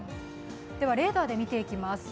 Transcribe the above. レーダーで見ていきます。